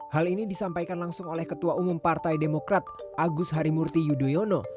hal ini disampaikan langsung oleh ketua umum partai demokrat agus harimurti yudhoyono